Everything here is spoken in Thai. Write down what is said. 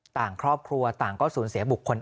ต่างครอบครัวต่างก็สูญเสียบุคคล